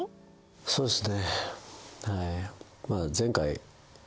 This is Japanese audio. そうですね